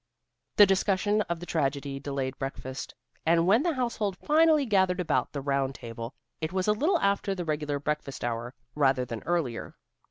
The discussion of the tragedy delayed breakfast, and when the household finally gathered about the round table, it was a little after the regular breakfast hour rather than earlier.